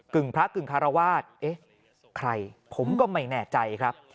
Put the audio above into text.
พระกึ่งคารวาสเอ๊ะใครผมก็ไม่แน่ใจครับ